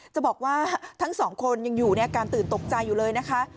จะบอกว่าทั้งสองคนยังอยู่ในอาการตื่นตกใจอยู่เลยนะคะ